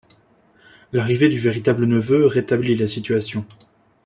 L'arrivée du véritable neveu, rétablit la situation.